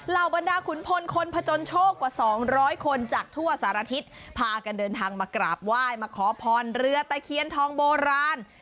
บรรดาขุนพลคนผจญโชคกว่า๒๐๐คนจากทั่วสารทิศพากันเดินทางมากราบไหว้มาขอพรเรือตะเคียนทองโบราณ